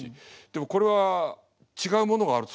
でもこれは違うものがある。